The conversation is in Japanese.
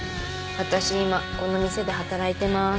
私今この店で働いてます。